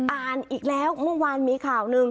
อ่านอีกแล้วเมื่อวานมีข่าวหนึ่ง